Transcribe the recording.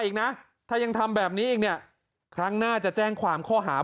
อีกนะถ้ายังทำแบบนี้อีกเนี่ยครั้งหน้าจะแจ้งความข้อหา